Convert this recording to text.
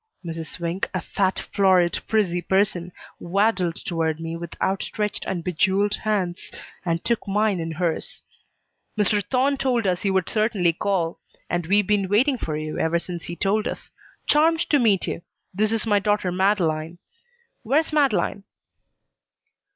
Mrs. Swink, a fat, florid, frizzy person, waddled toward me with out stretched and bejeweled hands, and took mine in hers. "Mr. Thorne told us you would certainly call, and we've been waiting for you ever since he told us. Charmed to meet you! This is my daughter Madeleine. Where's Madeleine?"